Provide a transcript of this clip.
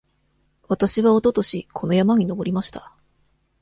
わたしはおととしこの山に登りました。